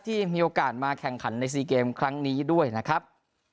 ที่มีโอกาสมาแข่งขันใน๔เกมครั้งนี้ด้วยนะครับ